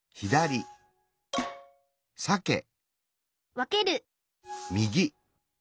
わける